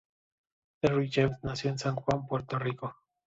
Derrick James nació en San Juan, Puerto Rico.